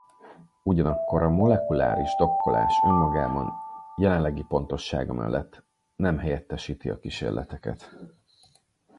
Ugyanakkor a molekuláris dokkolás önmagában jelenlegi pontossága mellett nem helyettesíti a kísérleteket.